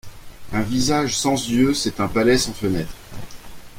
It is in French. Un visage sans yeux, c’est un palais sans fenêtres.